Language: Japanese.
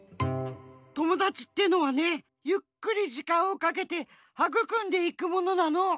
友だちってのはねゆっくりじかんをかけてはぐくんでいくものなの。